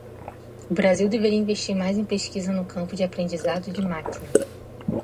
O Brasil deveria investir mais em pesquisa no campo de Aprendizado de Máquina